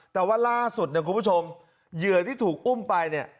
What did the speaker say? แต่ว่าล่าสุดเนี่ยคุณผู้ชมเหยื่อที่ถูกอุ้มไปเนี่ย